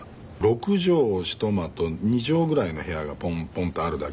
６畳一間と２畳ぐらいの部屋がポンポンとあるだけ。